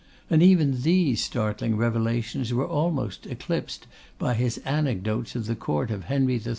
And even these startling revelations were almost eclipsed by his anecdotes of the Court of Henry III.